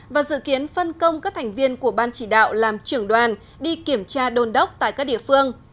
và dự kiến phân công các thành viên của ban chỉ đạo làm trưởng đoàn đi kiểm tra đôn đốc tại các địa phương